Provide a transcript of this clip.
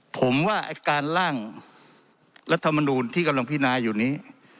ผมว่าไอ้การล่างรัฐมนูลที่กำลังพินาอยู่นี้